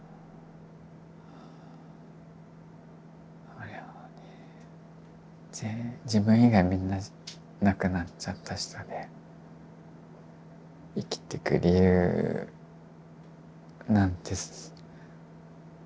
あれはね自分以外みんな亡くなっちゃった人で生きてく理由なんて探せないなって。